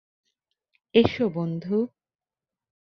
এসো, বন্ধু।